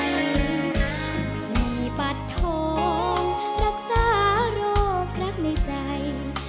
ไม่มีปัดโทงรักษาโรครักในใจ